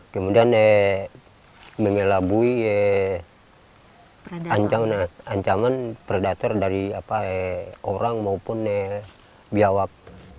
kemudian mengelabui ancaman predator dari orang maupun biawak